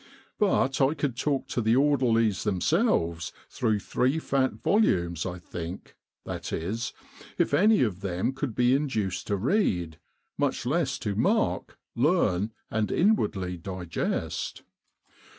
But I could talk to the orderlies themselves through three fat volumes I think, that is, if any of them could be induced to read, much less to mark, learn, and inwardly digest.